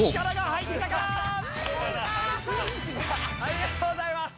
ありがとうございます！